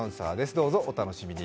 どうぞお楽しみに。